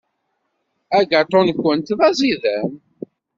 Agaṭu-nkent d aẓidan.